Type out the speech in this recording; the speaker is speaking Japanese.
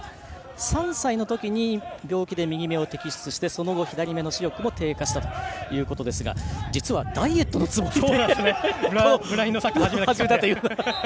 ３歳のときに病気で右目を摘出してその後、左めの視力も低下したということですが実はダイエットのつもりでブラインドサッカーを始めたという。